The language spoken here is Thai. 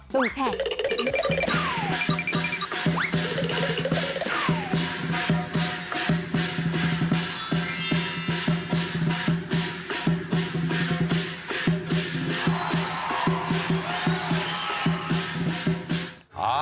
ต้มแช่